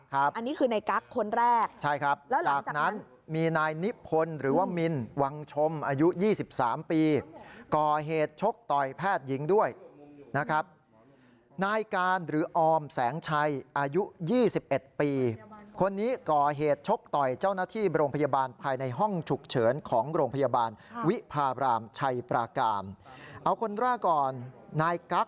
ก็คือนายกลั๊กค์คนแรกแล้วหลังจากนั้น